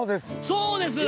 「そうです」！